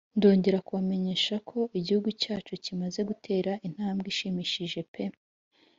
ndongera kubamenyesha ko igihugu cyacu kimaze gutera intambwe ishimishije pe